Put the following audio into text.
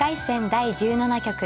第１７局。